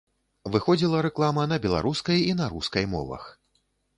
Выходзіла рэклама на беларускай і на рускай мовах.